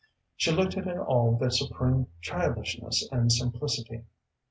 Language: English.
She looked at it all with a supreme childishness and simplicity.